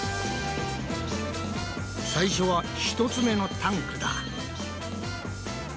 最初は１つ目のタンクだ。